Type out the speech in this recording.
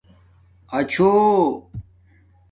اچھوں